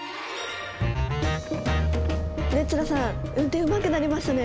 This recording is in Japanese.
ルッチョラさん運転うまくなりましたね。